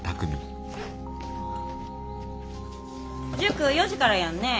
塾４時からやんね？